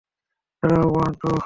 দাঁড়াও, one, two.